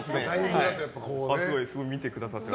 すごい見てくださってる。